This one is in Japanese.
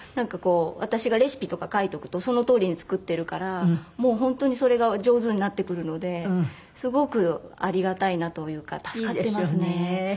私がレシピとか書いておくとそのとおりに作ってるからもう本当にそれが上手になってくるのですごくありがたいなというか助かってますね。